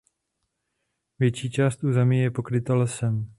Větší část území je pokryta lesem.